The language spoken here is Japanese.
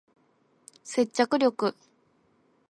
接着力